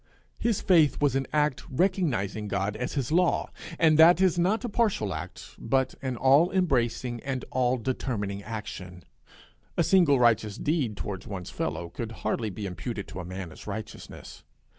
His faith was an act recognizing God as his law, and that is not a partial act, but an all embracing and all determining action. A single righteous deed toward one's fellow could hardly be imputed to a man as righteousness.